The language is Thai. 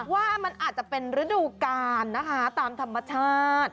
ว่ามันอาจจะเป็นฤดูกาลนะคะตามธรรมชาติ